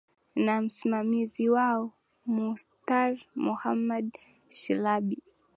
na msimamizi wao mustar mohamed shilabi